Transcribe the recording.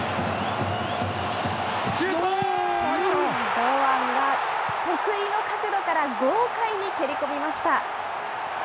堂安が得意の角度から豪快に蹴り込みました。